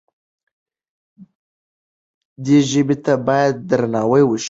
دې ژبې ته باید درناوی وشي.